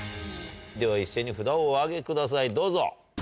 では一斉に札をお上げくださいどうぞ。